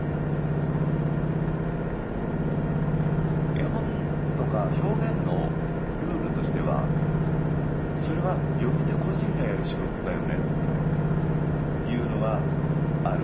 絵本とか表現のルールとしてはそれは読み手個人がやる仕事だよねっていうのはある。